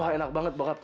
wah enak banget bokap